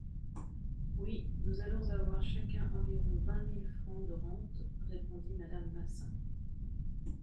Oui, nous allons avoir chacun environ vingt mille francs de rente, répondit madame Massin.